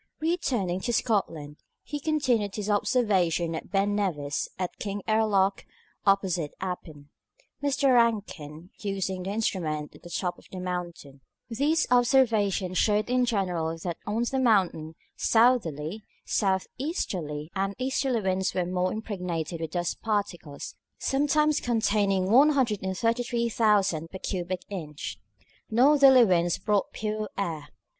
Returning to Scotland, he continued his observations at Ben Nevis and at Kingairloch, opposite Appin, Mr. Rankin using the instrument at the top of the mountain. These observations showed in general that on the mountain southerly, south easterly, and easterly winds were more impregnated with dust particles, sometimes containing 133,000 per cubic inch. Northerly winds brought pure air.